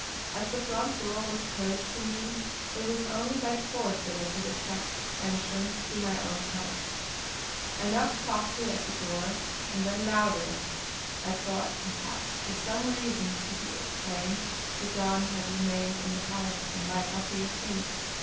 As the front door was closed to me, it was only by force that I could effect entrance to my own house. I knocked softly at the door, and then louder; I thought perhaps, for some reason to be explained, the Don had remained in the house and might now be asleep.